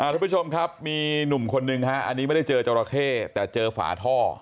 ทุกผู้ชมครับมีหนุ่มคนนึงฮะอันนี้ไม่ได้เจอจราเข้แต่เจอฝาท่อ